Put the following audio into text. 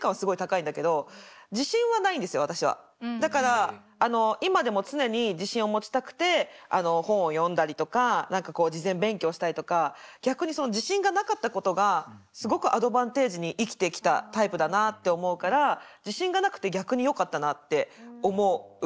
だからあの今でも常に自信を持ちたくて本を読んだりとか何か事前勉強したりとか逆に自信がなかったことがすごくアドバンテージに生きてきたタイプだなって思うから自信がなくて逆によかったなって思うんですよ。